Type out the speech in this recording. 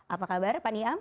apa kabar pak niam